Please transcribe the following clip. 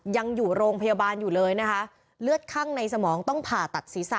ยังอยู่โรงพยาบาลอยู่เลยนะคะเลือดข้างในสมองต้องผ่าตัดศีรษะ